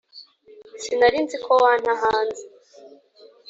Sinari nziko wanta hanze